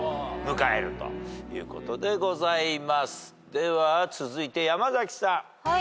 では続いて山崎さん。